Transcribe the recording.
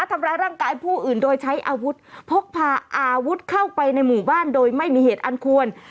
ทำร้ายร่างกายผู้อื่นโดยใช้อาวุธพกพาอาวุธเข้าไปในหมู่บ้านโดยไม่มีเหตุอันควร